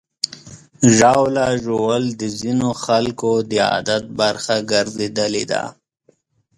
ژاوله ژوول د ځینو خلکو د عادت برخه ګرځېدلې ده.